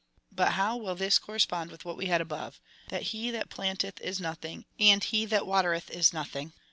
But how will this correspond with what we had above — that he that planteth is nothing, and he that watereth is nothing